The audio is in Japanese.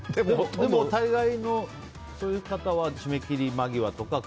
でも大概の、そういう方は締め切り間際とか。